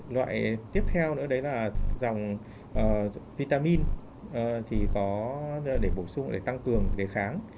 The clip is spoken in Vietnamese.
loại tiếp theo nữa đấy là dòng vitamin thì có để bổ sung để tăng cường đề kháng